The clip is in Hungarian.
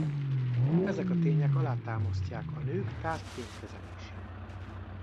Ezek a tények alátámasztják a nők tárgyként kezelését.